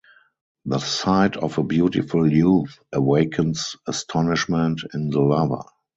The sight of a beautiful youth awakens astonishment in the lover.